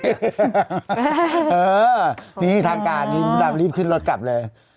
เหอะนี่ทางการวาดรีบขึ้นรถกลับเลย